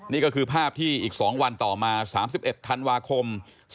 นี่ก็คือภาพที่อีก๒วันต่อมา๓๑ธันวาคม๒๕๖